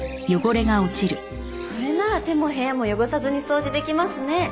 それなら手も部屋も汚さずに掃除できますね。